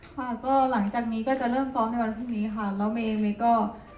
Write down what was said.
ค่ะก็หลังจากนี้ก็จะเริ่มซ้อมในวันพรุ่งนี้ค่ะแล้วเมย์เองเมย์ก็